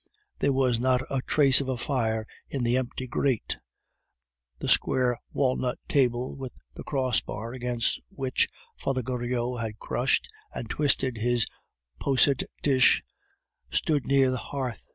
There was not a trace of a fire in the empty grate; the square walnut table with the crossbar against which Father Goriot had crushed and twisted his posset dish stood near the hearth.